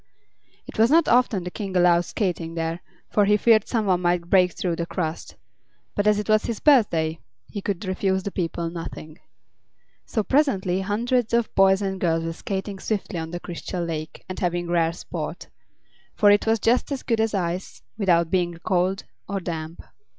It was not often the King allowed skating there, for he feared some one might break through the crust; but as it was his birthday he could refuse the people nothing. So presently hundreds of the boys and girls were skating swiftly on the Crystal Lake and having rare sport; for it was just as good as ice, without being cold or damp.